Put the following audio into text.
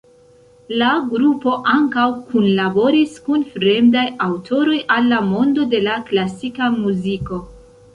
La grupo ankaŭ kunlaboris kun fremdaj aŭtoroj al la mondo de la klasika muziko.